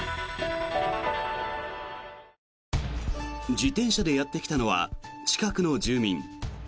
自転車でやってきたのは近くの住民。